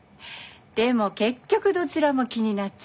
でも結局どちらも気になっちゃう。